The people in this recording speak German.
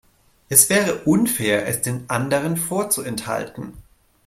Es wäre unfair, es den anderen vorzuenthalten.